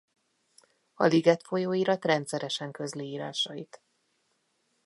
A Liget folyóirat rendszeresen közli írásait.